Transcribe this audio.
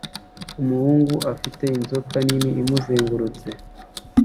Umuhungu afite inzoka nini imuzengurutse